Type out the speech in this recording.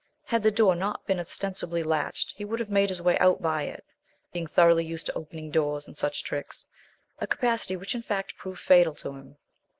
Had the door not been ostensibly latched he would have made his way out by it, being thoroughly used to opening doors and such tricks a capacity which in fact proved fatal to him.